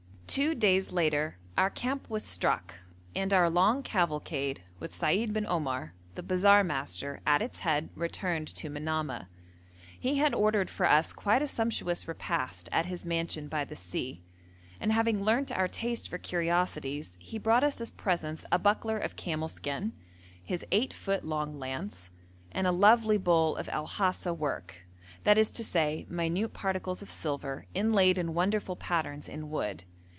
Two days later our camp was struck, and our long cavalcade, with Seid bin Omar, the bazaar master, at its head, returned to Manamah. He had ordered for us quite a sumptuous repast at his mansion by the sea, and having learnt our taste for curiosities, he brought us as presents a buckler of camel skin, his 8 foot long lance, and a lovely bowl of El Hasa work that is to say, minute particles of silver inlaid in wonderful patterns in wood.